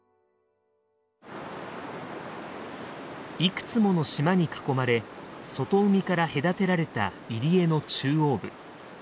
いくつもの島に囲まれ外海から隔てられた入り江の中央部。